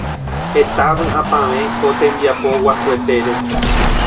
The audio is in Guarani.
Heta vyʼapavẽ ko tembiapo guasuetére.